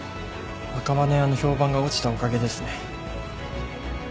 赤羽屋の評判が落ちたおかげですね。